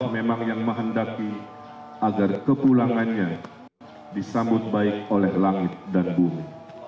memang yang menghendaki agar kepulangannya disambut baik oleh langit dan bumi